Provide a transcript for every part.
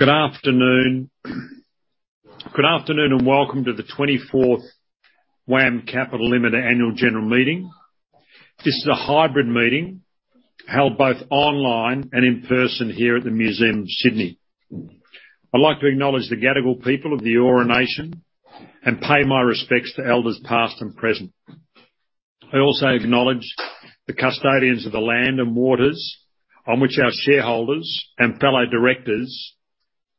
Good afternoon. Good afternoon, welcome to the 24th WAM Capital Limited Annual General Meeting. This is a hybrid meeting held both online and in person here at the Museum of Sydney. I'd like to acknowledge the Gadigal people of the Eora Nation and pay my respects to elders past and present. I also acknowledge the custodians of the land and waters on which our shareholders and fellow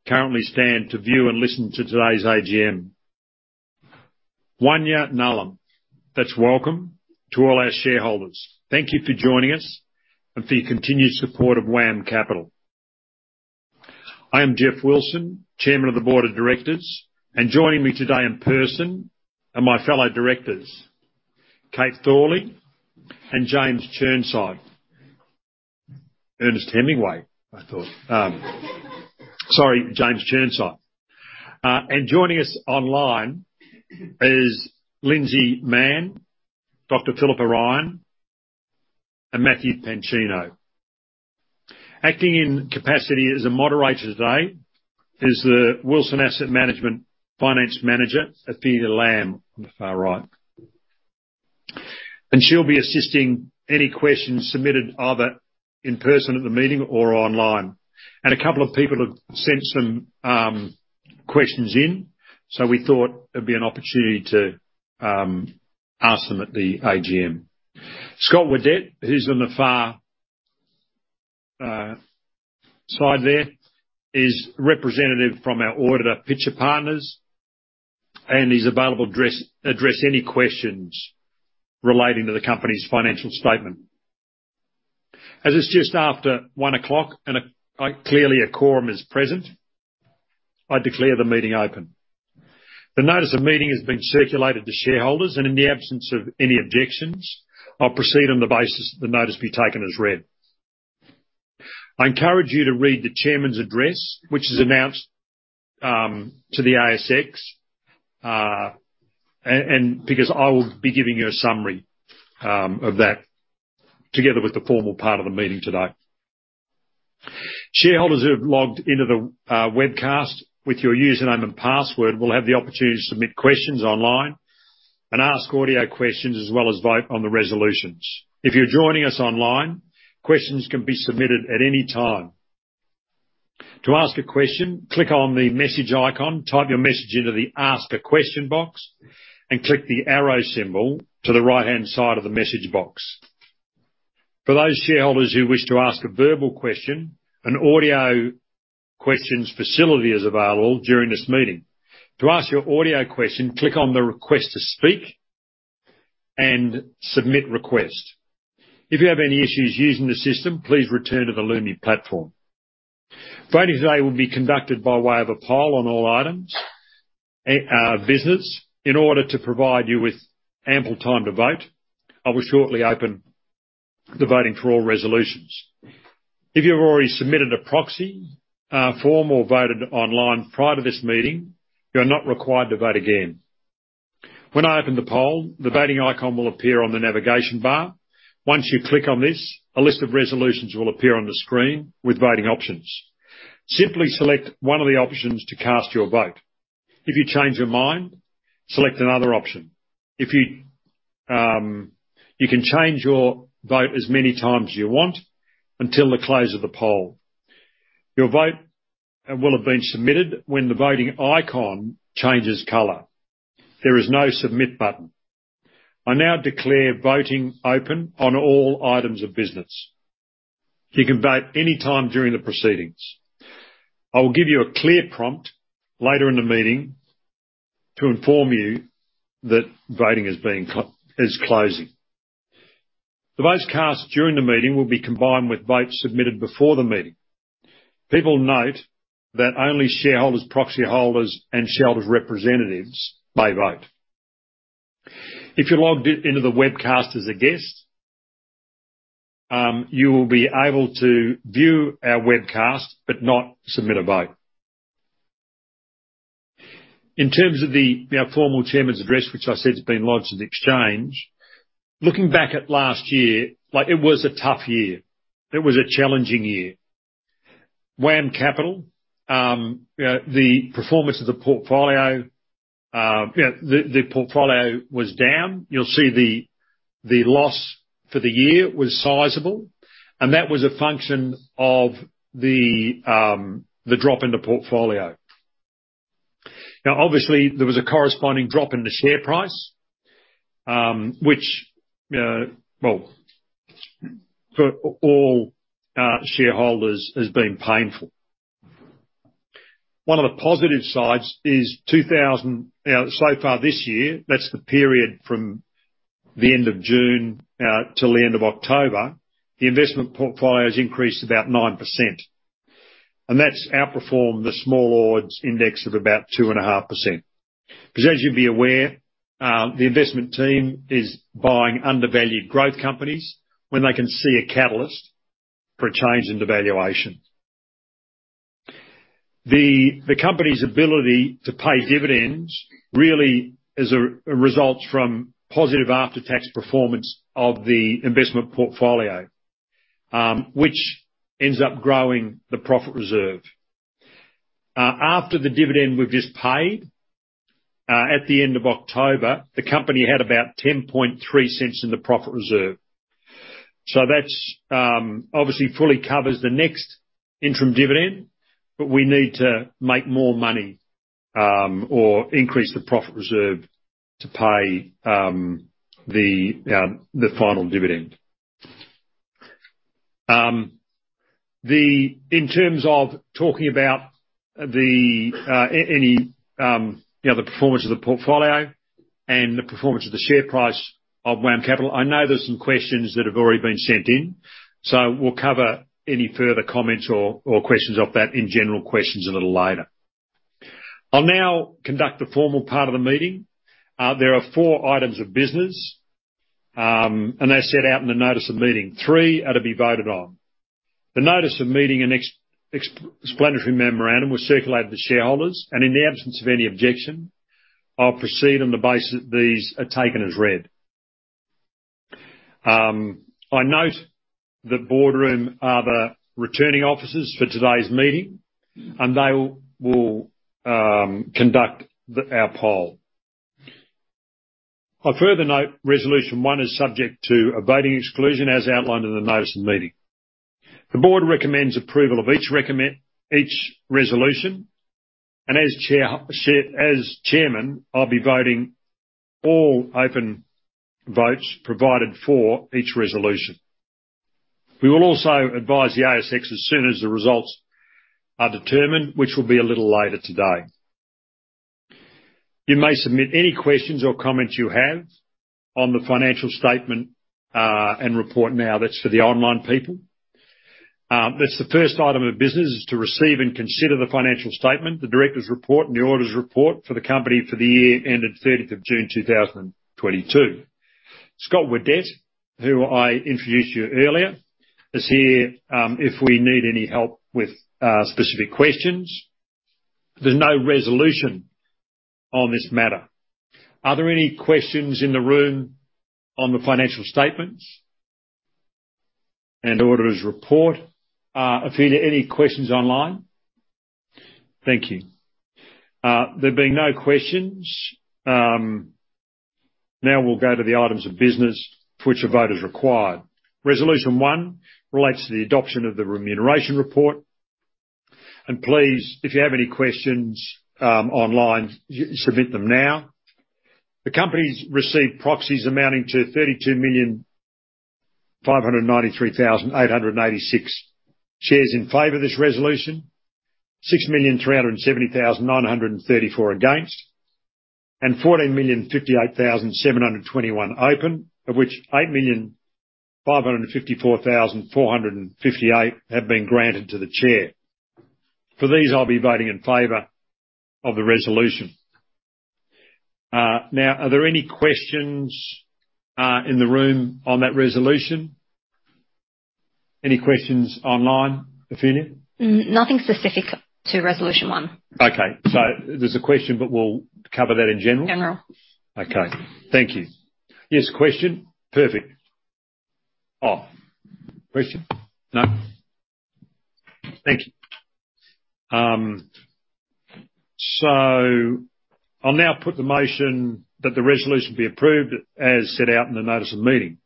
directors currently stand to view and listen to today's AGM. [Wanya ngalam]. That's welcome to all our shareholders. Thank you for joining us and for your continued support of WAM Capital. I am Geoff Wilson, Chairman of the board of directors. Joining me today in person are my fellow directors, Kate Thorley and James Chirnside. Sorry, James Chirnside. Joining us online is Lindsay Mann, Dr Philippa Ryan and Matthew Pancino. Acting in capacity as a moderator today is the Wilson Asset Management finance manager, Ophelia Lam, on the far right. She'll be assisting any questions submitted either in person at the meeting or online. A couple of people have sent some questions in, so we thought it'd be an opportunity to ask them at the AGM. Scott Whiddett, who's on the far side there, is representative from our auditor, Pitcher Partners, and he's available address any questions relating to the company's financial statement. It's just after 1 o'clock and clearly a quorum is present, I declare the meeting open. The notice of meeting has been circulated to shareholders. In the absence of any objections, I'll proceed on the basis the notice be taken as read. I encourage you to read the chairman's address, which is announced to the ASX, because I will be giving you a summary of that together with the formal part of the meeting today. Shareholders who have logged into the webcast with your username and password will have the opportunity to submit questions online and ask audio questions as well as vote on the resolutions. If you're joining us online, questions can be submitted at any time. To ask a question, click on the message icon, type your message into the Ask a question box and click the arrow symbol to the right-hand side of the message box. For those shareholders who wish to ask a verbal question, an audio questions facility is available during this meeting. To ask your audio question, click on the Request to speak and Submit request. If you have any issues using the system, please return to the Lumi platform. Voting today will be conducted by way of a poll on all items of business. In order to provide you with ample time to vote, I will shortly open the voting for all resolutions. If you've already submitted a proxy form or voted online prior to this meeting, you are not required to vote again. When I open the poll, the voting icon will appear on the navigation bar. Once you click on this, a list of resolutions will appear on the screen with voting options. Simply select one of the options to cast your vote. If you change your mind, select another option. You can change your vote as many times as you want until the close of the poll. Your vote will have been submitted when the voting icon changes color. There is no submit button. I now declare voting open on all items of business. You can vote any time during the proceedings. I will give you a clear prompt later in the meeting to inform you that voting is closing. The votes cast during the meeting will be combined with votes submitted before the meeting. People note that only shareholders, proxy holders and shareholders' representatives may vote. If you logged into the webcast as a guest, you will be able to view our webcast but not submit a vote. In terms of the, you know, formal chairman's address, which I said has been lodged at the Exchange, looking back at last year, like, it was a tough year. It was a challenging year. WAM Capital, you know, the performance of the portfolio, you know, the portfolio was down. You'll see the loss for the year was sizable, that was a function of the drop in the portfolio. Obviously there was a corresponding drop in the share price, which, well, for all shareholders has been painful. One of the positive sides is so far this year, that's the period from the end of June till the end of October, the investment portfolio has increased about 9%. That's outperformed the Small Ords Index of about 2.5%. As you'd be aware, the investment team is buying undervalued growth companies when they can see a catalyst for a change in the valuation. The company's ability to pay dividends really is a result from positive after-tax performance of the investment portfolio. Which ends up growing the profit reserve. After the dividend we've just paid, at the end of October, the company had about 0.103 in the profit reserve. That's obviously fully covers the next interim dividend, but we need to make more money, or increase the profit reserve to pay the final dividend. In terms of talking about any, you know, the performance of the portfolio and the performance of the share price of WAM Capital, I know there's some questions that have already been sent in, we'll cover any further comments or questions of that in general questions a little later. I'll now conduct the formal part of the meeting. There are four items of business. They're set out in the notice of meeting. Three are to be voted on. The notice of meeting and explanatory memorandum was circulated to shareholders. In the absence of any objection, I'll proceed on the basis that these are taken as read. I note The Boardroom are the returning officers for today's meeting. They will conduct our poll. I further note resolution one is subject to a voting exclusion as outlined in the notice of meeting. The board recommends approval of each resolution. As chair, as chairman, I'll be voting all open votes provided for each resolution. We will also advise the ASX as soon as the results are determined, which will be a little later today. You may submit any questions or comments you have on the financial statement, and report now. That's for the online people. That's the first item of business, is to receive and consider the Financial Statement, the Directors' Report and the Auditors' Report for the company for the year ending 30th of June 2022. Scott Whiddett, who I introduced you earlier, is here, if we need any help with specific questions. There's no resolution on this matter. Are there any questions in the room on the Financial Statements and Auditors' Report? Ophelia, any questions online? Thank you. There being no questions, now we'll go to the items of business for which a vote is required. Resolution 1 relates to the adoption of the Remuneration Report. Please, if you have any questions, online, submit them now. The company's received proxies amounting to 32,593,886 shares in favor of this resolution, 6,370,934 against, and 14,058,721 open. Of which 8,554,458 have been granted to the chair. For these, I'll be voting in favor of the resolution. Now, are there any questions in the room on that resolution? Any questions online, Ophelia? Nothing specific to resolution 1. Okay. There's a question, but we'll cover that in general? General. Okay. Thank you. Yes, question? Perfect. Question? No. Thank you. I'll now put the motion that the resolution be approved as set out in the notice of meeting.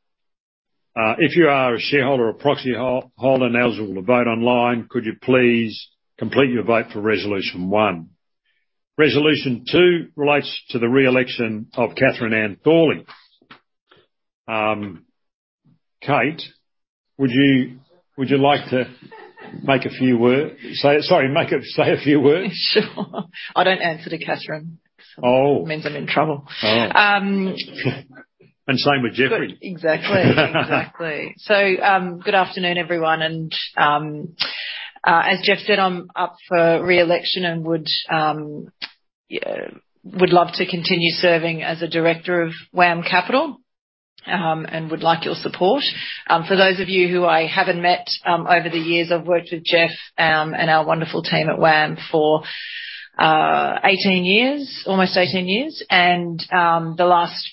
If you are a shareholder or proxyholder now eligible to vote online, could you please complete your vote for resolution 1. Resolution 2 relates to the re-election of Catherine Ann Thorley. Kate, would you like to say a few words? Sure. I don't answer to Catherine. Oh. It means I'm in trouble. Oh. Um. Same with Jeffrey. Exactly. Exactly. Good afternoon, everyone, and as Geoff said, I'm up for re-election and would love to continue serving as a director of WAM Capital and would like your support. For those of you who I haven't met, over the years, I've worked with Geoff and our wonderful team at WAM for 18 years, almost 18 years, and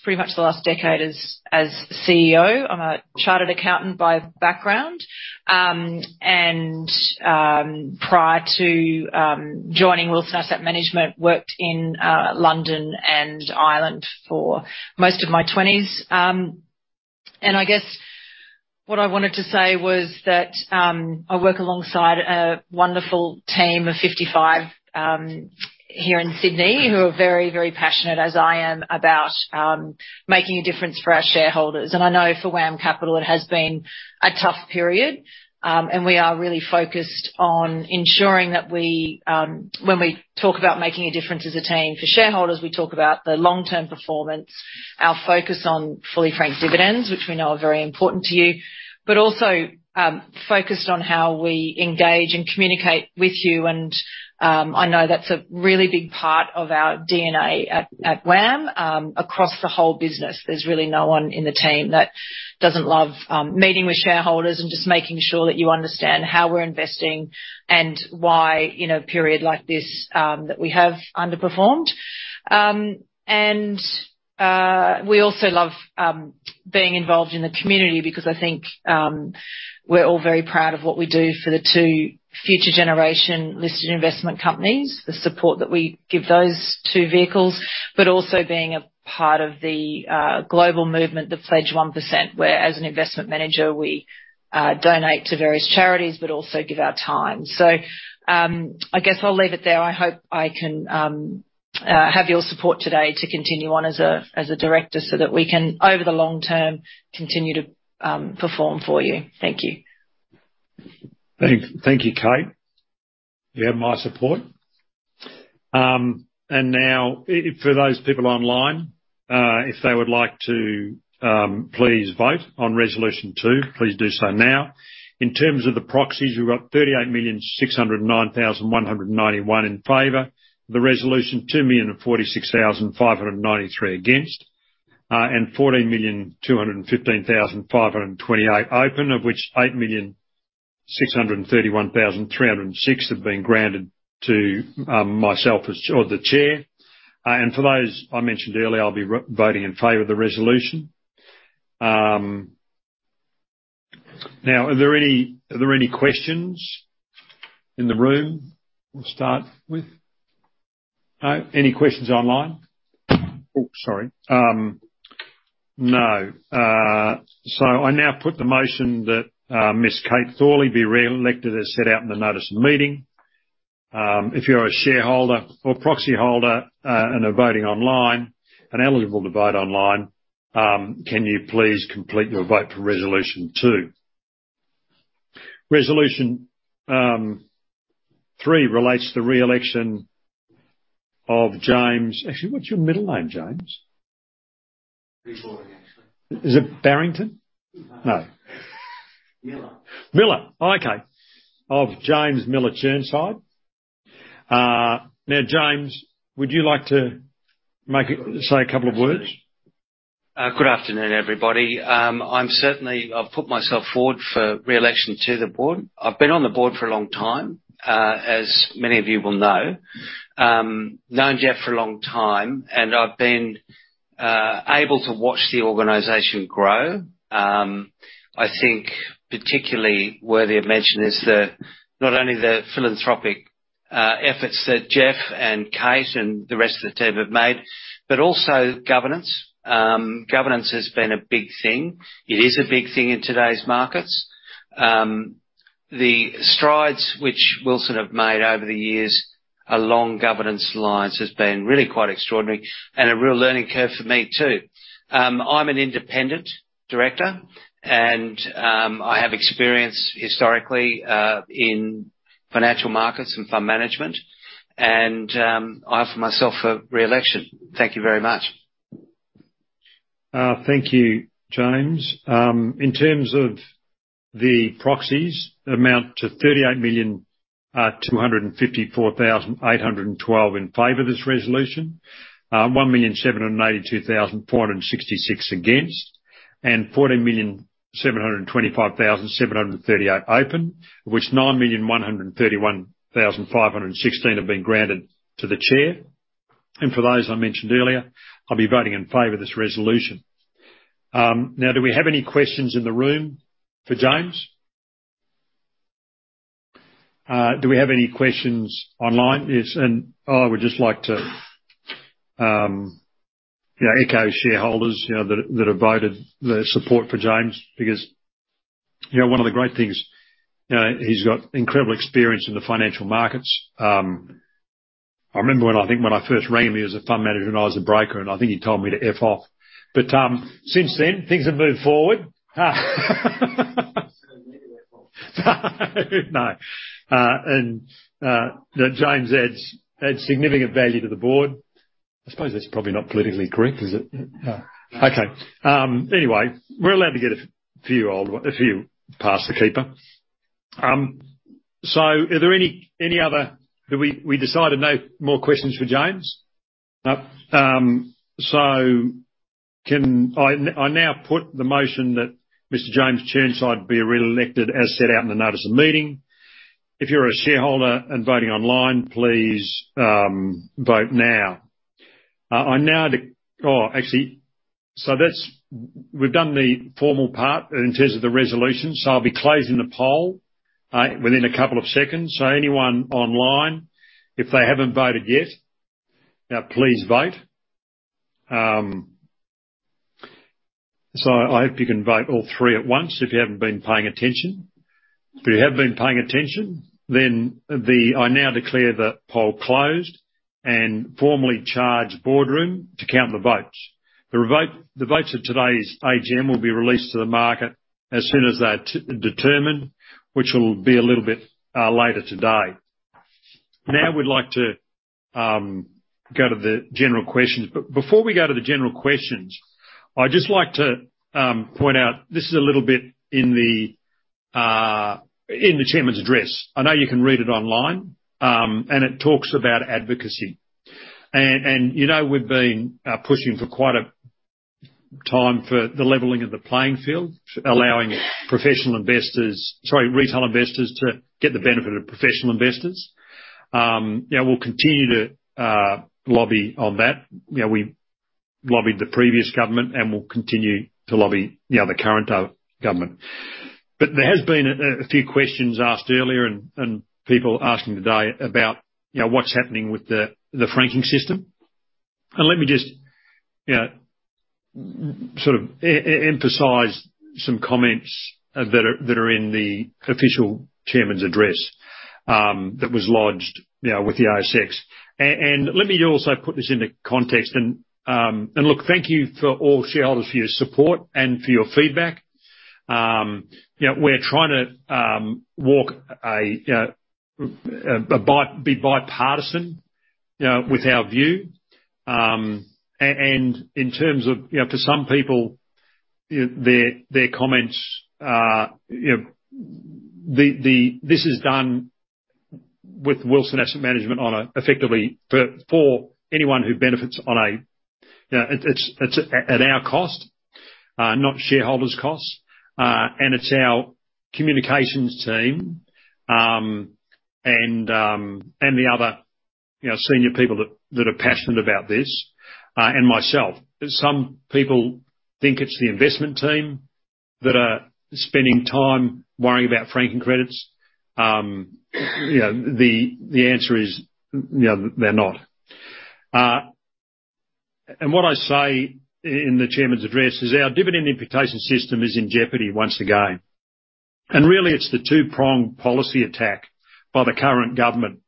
pretty much the last decade as CEO. I'm a chartered accountant by background, and prior to joining Wilson Asset Management, worked in London and Ireland for most of my twenties. And I guess what I wanted to say was that I work alongside a wonderful team of 55 here in Sydney, who are very, very passionate, as I am, about making a difference for our shareholders. I know for WAM Capital, it has been a tough period, and we are really focused on ensuring that we, when we talk about making a difference as a team for shareholders, we talk about the long-term performance, our focus on fully franked dividends, which we know are very important to you, but also, focused on how we engage and communicate with you. I know that's a really big part of our DNA at WAM. Across the whole business, there's really no one in the team that doesn't love, meeting with shareholders and just making sure that you understand how we're investing and why, in a period like this, that we have underperformed. We also love Being involved in the community because I think we're all very proud of what we do for the two Future Generation listed investment companies, the support that we give those two vehicles, but also being a part of the global movement, the Pledge 1%, where as an investment manager, we donate to various charities but also give our time. I guess I'll leave it there. I hope I can have your support today to continue on as a, as a director, so that we can, over the long term, continue to perform for you. Thank you. Thank you, Kate. You have my support. Now for those people online, if they would like to, please vote on resolution 2, please do so now. In terms of the proxies, we've got 38,609,191 in favor of the resolution, 2,046,593 against, and 14,215,528 open, of which 8,631,306 have been granted to myself as, or the chair. For those I mentioned earlier, I'll be voting in favor of the resolution. Now, are there any questions in the room to start with? No. Any questions online? Oh, sorry. No. I now put the motion that Ms. Kate Thorley be re-elected as set out in the notice of the meeting. If you're a shareholder or proxyholder, and are voting online, and eligible to vote online, can you please complete your vote for resolution 2? Resolution 3 relates to the re-election of James... Actually, what's your middle name, James? Miller, actually. Is it Barrington? No. Miller. Miller. Okay. Of James Miller Chirnside. now, James, would you like to make. Good afternoon. Say a couple of words? Good afternoon, everybody. I've put myself forward for re-election to the board. I've been on the board for a long time, as many of you will know. Known Jeff for a long time, and I've been able to watch the organization grow. I think particularly worthy of mention is the, not only the philanthropic efforts that Jeff and Kate and the rest of the team have made, but also governance. Governance has been a big thing. It is a big thing in today's markets. The strides which Wilson have made over the years along governance lines has been really quite extraordinary and a real learning curve for me, too. I'm an independent director and I have experience historically in financial markets and fund management. I offer myself for re-election. Thank you very much. Thank you, James. In terms of the proxies amount to 38,254,812 in favor of this resolution, 1,782,466 against, and 14,725,738 open, of which 9,131,516 have been granted to the chair. For those I mentioned earlier, I'll be voting in favor of this resolution. Now, do we have any questions in the room for James? Do we have any questions online? Yes, I would just like to, you know, echo shareholders, you know, that have voted their support for James because, you know, one of the great things, you know, he's got incredible experience in the financial markets. I remember when, I think when I first rang him, he was a fund manager and I was a broker, and I think he told me to F off. Since then, things have moved forward. You told me to F off. No. No, James adds significant value to the board. I suppose that's probably not politically correct, is it? No. Okay. Anyway, we're allowed to get a few past the keeper. Are there any other... We decided no more questions for James? No. Can I now put the motion that Mr. James Chirnside be re-elected as set out in the notice of the meeting. If you're a shareholder and voting online, please vote now. Oh, actually... We've done the formal part in terms of the resolution, I'll be closing the poll within a couple of seconds. Anyone online, if they haven't voted yet, now please vote. I hope you can vote all 3 at once if you haven't been paying attention. If you have been paying attention, I now declare the poll closed and formally charge Boardroom to count the votes. The votes of today's AGM will be released to the market as soon as they're determined, which will be a little bit later today. We'd like to go to the general questions. Before we go to the general questions, I'd just like to point out, this is a little bit in the chairman's address. I know you can read it online. It talks about advocacy. You know, we've been pushing for quite a time for the leveling of the playing field, allowing professional investors, sorry, retail investors to get the benefit of professional investors. Yeah, we'll continue to lobby on that. You know, we lobbied the previous government and will continue to lobby the other current government. There has been a few questions asked earlier and people asking today about, you know, what's happening with the franking system. Let me just, you know, sort of emphasize some comments that are in the official chairman's address that was lodged, you know, with the ASX. Let me also put this into context. Look, thank you for all shareholders for your support and for your feedback. You know, we're trying to walk a bipartisan, you know, with our view. In terms of, you know, for some people, their comments are, you know, this is done with Wilson Asset Management on a effectively for anyone who benefits on a, you know, it's at our cost, not shareholders' costs. It's our communications team, and the other, you know, senior people that are passionate about this, and myself. Some people think it's the investment team that are spending time worrying about franking credits. The answer is, they're not. What I say in the chairman's address is our dividend imputation system is in jeopardy once again. Really, it's the two-pronged policy attack by the current government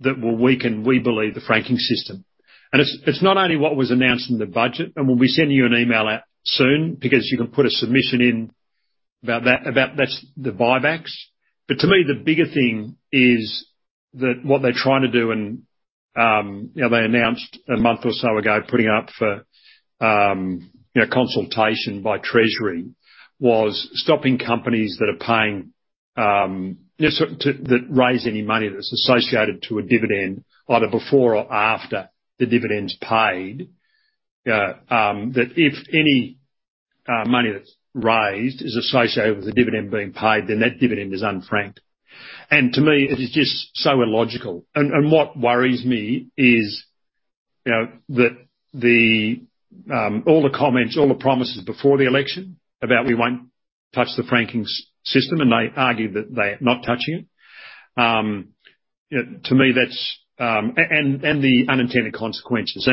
that will weaken, we believe, the franking system. It's not only what was announced in the budget, and we'll be sending you an email out soon because you can put a submission in about that, about that's the buybacks. To me, the bigger thing is that what they're trying to do and, you know, they announced a month or so ago, putting up for, you know, consultation by Treasury was stopping companies that are paying, you know, that raise any money that's associated to a dividend either before or after the dividend's paid. That if any money that's raised is associated with the dividend being paid, then that dividend is unfranked. To me, it is just so illogical. What worries me is, you know, that the all the comments, all the promises before the election about we won't touch the franking system, and they argue that they're not touching it. You know, to me, that's the unintended consequences.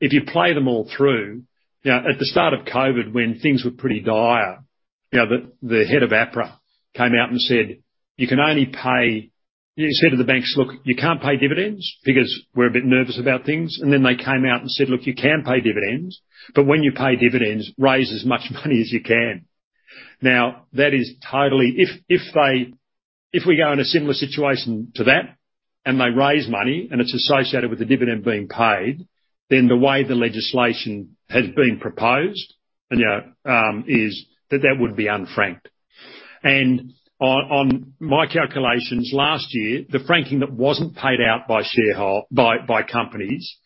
If you play them all through, you know, at the start of COVID, when things were pretty dire, you know, the head of APRA came out and said, "You can only pay..." He said to the banks, "Look, you can't pay dividends because we're a bit nervous about things." Then they came out and said, "Look, you can pay dividends, but when you pay dividends, raise as much money as you can." That is totally... If we go in a similar situation to that and they raise money and it's associated with the dividend being paid, then the way the legislation has been proposed, you know, is that that would be unfranked. On my calculations last year, the franking that wasn't paid out by companies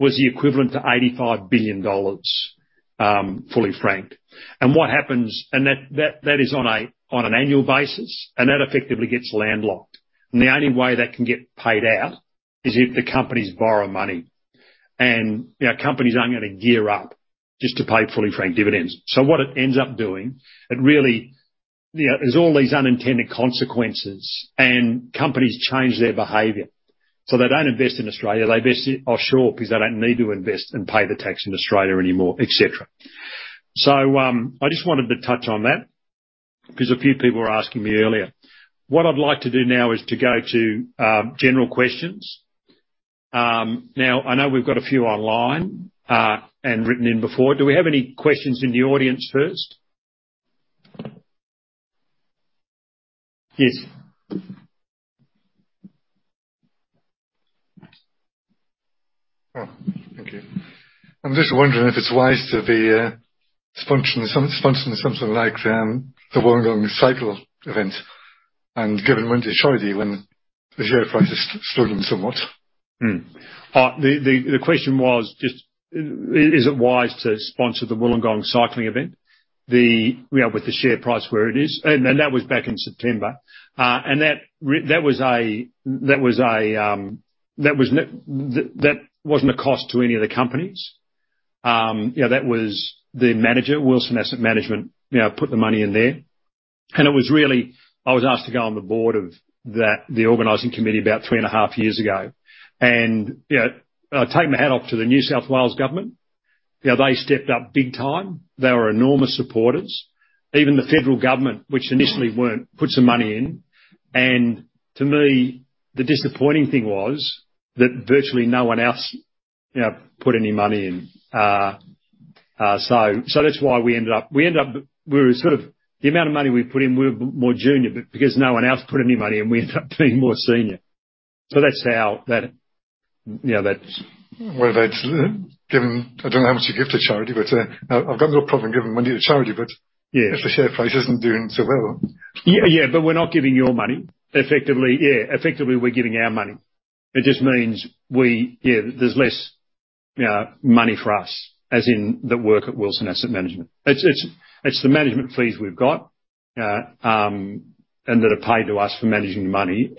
was the equivalent to 85 billion dollars fully franked. What happens... That, that is on a, on an annual basis, and that effectively gets landlocked. The only way that can get paid out is if the companies borrow money. You know, companies aren't gonna gear up just to pay fully franked dividends. What it ends up doing, it really. You know, there's all these unintended consequences, and companies change their behavior. They don't invest in Australia. They basically offshore because they don't need to invest and pay the tax in Australia anymore, et cetera. I just wanted to touch on that because a few people were asking me earlier. What I'd like to do now is to go to general questions. Now I know we've got a few online and written in before. Do we have any questions in the audience first? Yes. Thank you. I'm just wondering if it's wise to be sponsoring something like the Wollongong Cycle event and given when to charity when the share price is struggling somewhat? The question was just, is it wise to sponsor the Wollongong cycling event? You know, with the share price where it is. That was back in September. That was a, that wasn't a cost to any of the companies. You know, that was the manager at Wilson Asset Management, you know, put the money in there. It was really... I was asked to go on the board of that, the organizing committee about three and a half years ago. You know, I take my hat off to the New South Wales government. You know, they stepped up big time. They were enormous supporters. Even the federal government, which initially weren't, put some money in. To me, the disappointing thing was that virtually no one else, you know, put any money in. That's why we ended up. We were sort of the amount of money we put in, we were more junior, but because no one else put any money in, we ended up being more senior. That's how that, you know. What about giving... I don't know how much you give to charity, but, I've got no problem giving money to charity. Yeah. if the share price isn't doing so well. Yeah, yeah. We're not giving your money. Effectively, yeah, effectively we're giving our money. It just means we, yeah, there's less, you know, money for us, as in the work at Wilson Asset Management. It's the management fees we've got, and that are paid to us for managing the money.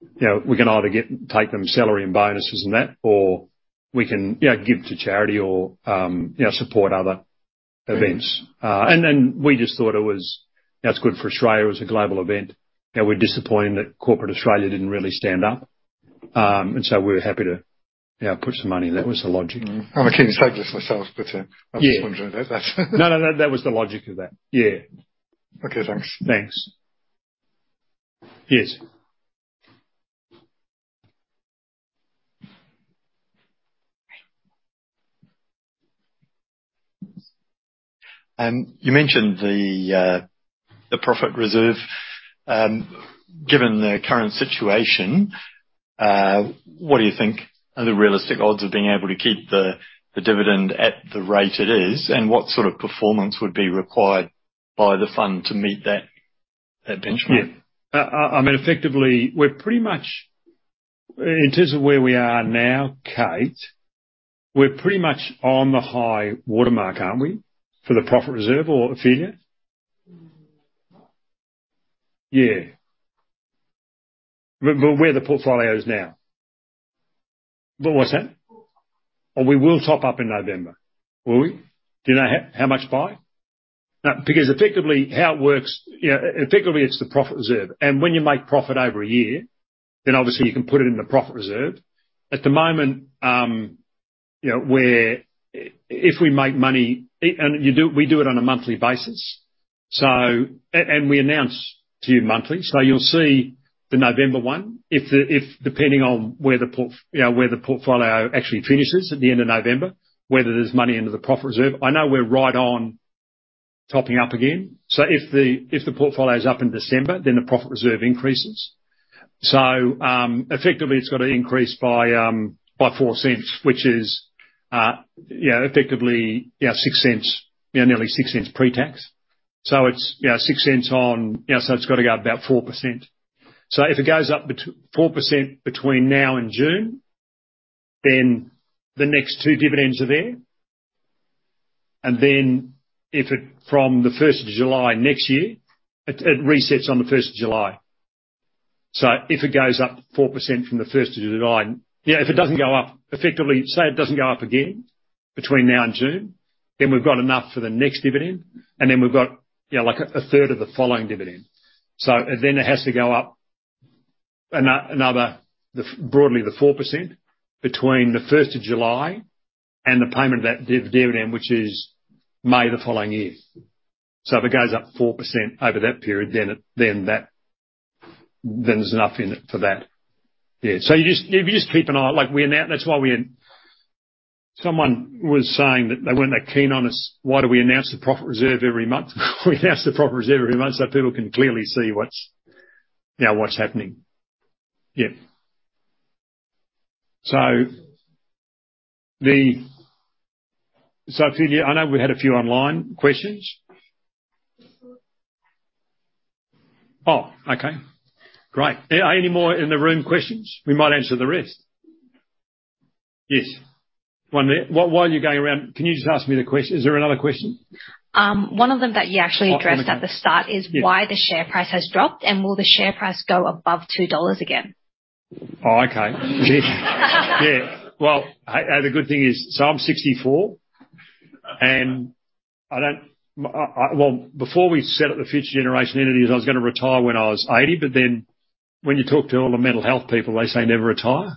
You know, we can either get, take them salary and bonuses and that, or we can, you know, give to charity or, you know, support other events. And we just thought it was, you know, it's good for Australia, it was a global event. You know, we're disappointed that corporate Australia didn't really stand up. We were happy to, you know, put some money. That was the logic. I'm a keen cyclist myself, but. Yeah. I was just wondering about that. No, no. That was the logic of that. Yeah. Okay. Thanks. Thanks. Yes. You mentioned the profits reserve. Given the current situation, what do you think are the realistic odds of being able to keep the dividend at the rate it is? What sort of performance would be required by the fund to meet that benchmark? Yeah. I mean, effectively, we're pretty much... In terms of where we are now, Kate, we're pretty much on the high-water mark, aren't we? For the profits reserve, or Ophelia? Mm-hmm. Yeah. Where the portfolio is now. What's that? We'll top up. We will top up in November. Will we? Do you know how much by? Because effectively how it works, you know, effectively it's the profits reserve. When you make profit over a year, then obviously you can put it in the profits reserve. At the moment, you know, we're if we make money, and you do we do it on a monthly basis, so... We announce to you monthly. You'll see the November one. If depending on where the port, you know, where the portfolio actually finishes at the end of November, whether there's money into the profits reserve. I know we're right on topping up again. If the portfolio's up in December, then the profits reserve increases. Effectively it's gotta increase by 0.04, which is effectively 0.06, nearly 0.06 pre-tax. It's 0.06. It's gotta go up about 4%. If it goes up 4% between now and June, then the next two dividends are there. If it, from the 1st of July next year, it resets on the 1st of July. If it goes up 4% from the 1st of July... Yeah, if it doesn't go up, effectively, say it doesn't go up again between now and June, then we've got enough for the next dividend, and then we've got a third of the following dividend. It has to go up another, broadly the 4% between the first of July and the payment of that dividend, which is May the following year. If it goes up 4% over that period, then there's enough in it for that. Yeah. You just keep an eye, like we that's why we. Someone was saying that they weren't that keen on us, why do we announce the profits reserve every month? We announce the profits reserve every month, people can clearly see what's, you know, what's happening. Yeah. Ophelia, I know we had a few online questions. Oh, okay. Great. Are any more in the room questions? We might answer the rest. Yes. One there. While you're going around, can you just ask me Is there another question? One of them that you actually addressed at the start is why the share price has dropped, and will the share price go above 2 dollars again? Oh, okay. Yeah. Well, I, the good thing is, I'm 64, and I don't. Before we set up the Future Generation entities, I was gonna retire when I was 80, when you talk to all the mental health people, they say never retire.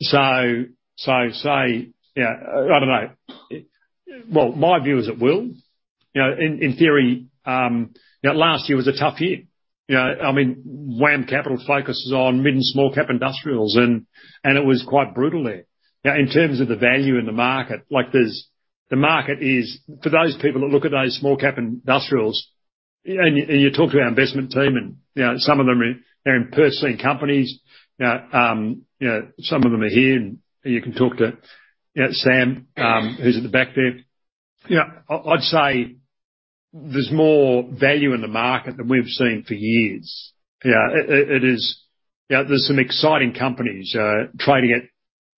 Say, you know, I don't know. Well, my view is it will. You know, in theory, you know, last year was a tough year. You know, I mean, WAM Capital focuses on mid and small-cap industrials, and it was quite brutal there. In terms of the value in the market, like The market is, for those people that look at those small-cap industrials, and you talk to our investment team and, you know, some of them are, they're in-person companies. You know, some of them are here and you can talk to, you know, Sam, who's at the back there. You know, I'd say there's more value in the market than we've seen for years. You know, it is... You know, there's some exciting companies, trading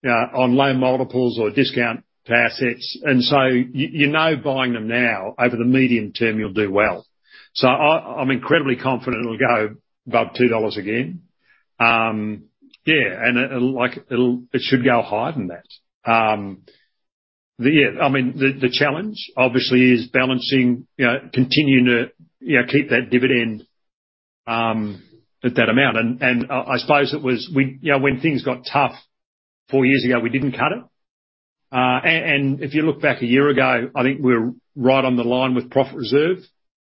at, on low multiples or discount to assets. You know buying them now, over the medium term you'll do well. I'm incredibly confident it'll go above 2 dollars again. Yeah. It'll like, it should go higher than that. I mean, the challenge obviously is balancing, you know, continuing to, you know, keep that dividend, at that amount. I suppose it was, we, you know, when things got tough 4 years ago, we didn't cut it. If you look back a year ago, I think we're right on the line with profits reserve.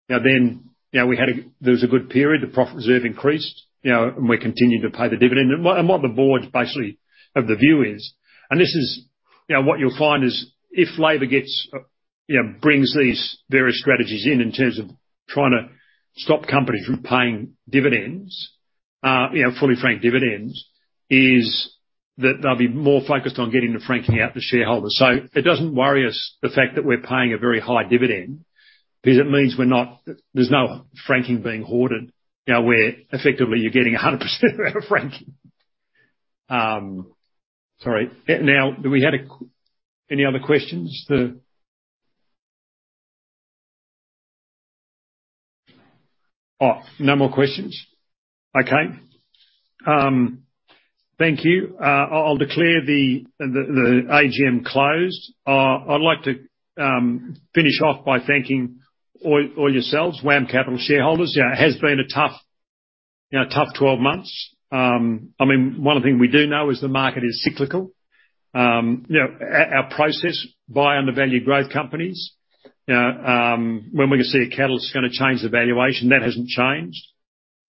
You know, there was a good period, the profits reserve increased, you know, and we continued to pay the dividend. What the board basically of the view is, this is. You know, what you'll find is if Labor gets, you know, brings these various strategies in terms of trying to stop companies from paying dividends, you know, fully franked dividends, is that they'll be more focused on getting the franking out the shareholders. It doesn't worry us, the fact that we're paying a very high dividend, because it means there's no franking being hoarded. You know, we're effectively you're getting a 100% amount of franking. Sorry. Any other questions? Oh, no more questions. Okay. Thank you. I'll declare the AGM closed. I'd like to finish off by thanking all yourselves, WAM Capital shareholders. You know, it has been a tough, you know, tough 12 months. I mean, one of the thing we do know is the market is cyclical. You know, our process, buy undervalued growth companies. You know, when we can see a catalyst that's gonna change the valuation, that hasn't changed.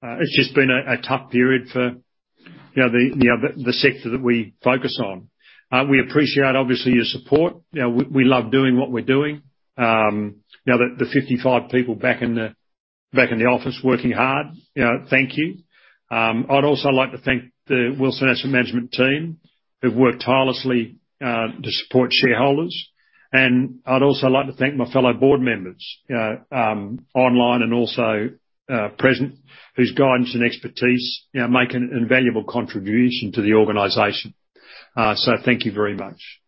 It's just been a tough period for, you know, the sector that we focus on. We appreciate obviously, your support. You know, we love doing what we're doing. You know, the 55 people back in the office working hard, you know, thank you. I'd also like to thank the Wilson Asset Management team, who've worked tirelessly, to support shareholders. I'd also like to thank my fellow board members, you know, online and also, present, whose guidance and expertise, you know, make an invaluable contribution to the organization. Thank you very much.